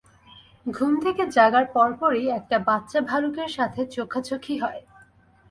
ঘুম থেকে জাগার পরপরই একটা বাচ্চা ভালুকের সাথে চোখাচোখি হয়!